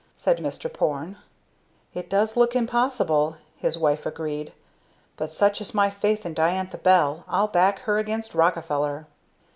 said Mr. Porne. "It does look impossible," his wife agreed, "but such is my faith in Diantha Bell I'd back her against Rockefeller!"